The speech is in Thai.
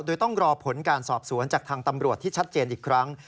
โดยต้องรอผลการสอบสวนจากทางตำรวจที่ชัดเจนอีกครั้ง